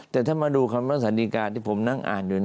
แต่ถ้ามาดูคำวิทยาศาสตร์ศาสตร์ดีการ์ที่ผมนั่งอ่านอยู่นี่